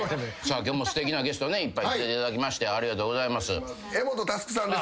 今日もすてきなゲストねいっぱい来ていただきましてありがとうございます。